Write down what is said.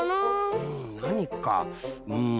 うんなにかうん。